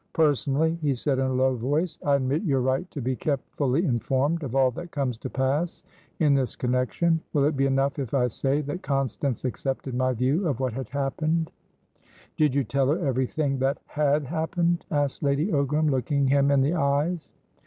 "Personally," he said in a low voice, "I admit your right to be kept fully informed of all that comes to pass in this connection. Will it be enough if I say that Constance accepted my view of what had happened?" "Did you tell her everything that had happened?" asked Lady Ogram, looking him in the eyes.